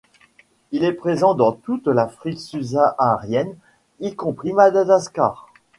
Il est présent dans toute l'Afrique subsaharienne y compris Madagascar.